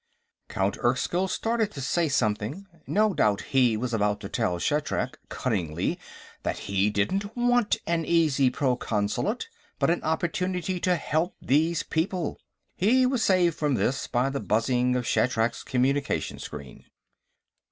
Count Erskyll started to say something. No doubt he was about to tell Shatrak, cuttingly, that he didn't want an easy Proconsulate, but an opportunity to help these people. He was saved from this by the buzzing of Shatrak's communication screen.